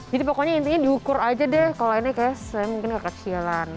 jadi pokoknya intinya diukur aja deh kalau ini kayak saya mungkin kekecilan